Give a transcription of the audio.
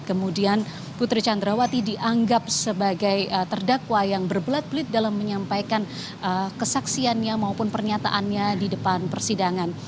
kemudian putri candrawati dianggap sebagai terdakwa yang berbelit belit dalam menyampaikan kesaksiannya maupun pernyataannya di depan persidangan